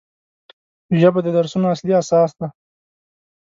ژبه د درسونو اصلي اساس دی